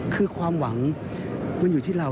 คือความหวังมันอยู่ที่เรา